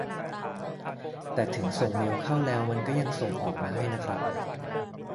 แต่ถึงส่งเมลเข้าแล้วมันก็ยังส่ง ออกมาให้นะครับ